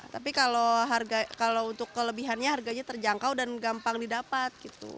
tapi kalau untuk kelebihannya harganya terjangkau dan gampang didapat